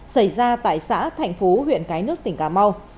xảy ra tại xã thạnh phú huyện cái nước tỉnh cà mau